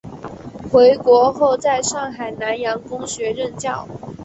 回国后在上海南洋公学任教。